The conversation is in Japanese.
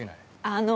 あの。